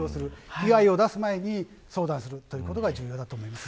被害を出す前に相談するということが重要です。